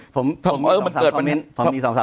ผมมี๒๓คอมเมนต์